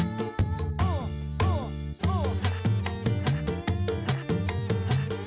biar tak menyala